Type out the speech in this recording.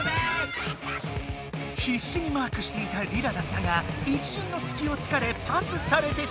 ひっしにマークしていたリラだったがいっしゅんのすきをつかれパスされてしまった。